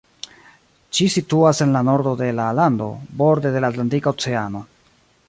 Ĉi situas en la nordo de la lando, borde de la Atlantika Oceano.